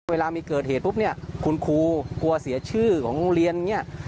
เวลามีเกิดเหตุปุ๊บเนี่ยคุณครูกลัวเสียชื่อของโรงเรียนเนี่ย